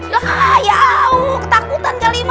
lah ya u ketakutan kak lima